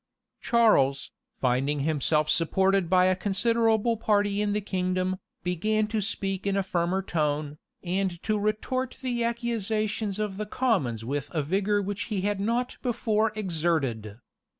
Charles, finding himself supported by a considerable party in the kingdom, began to speak in a firmer tone, and to retort the accusations of the commons with a vigor which he had not before exerted.